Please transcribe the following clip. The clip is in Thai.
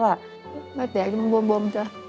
ไม่แตกมันบวมจ้ะ